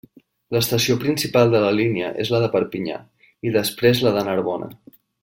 L'estació principal de la línia és la de Perpinyà, i després la de Narbona.